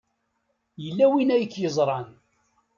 Yella win ay k-yeẓran.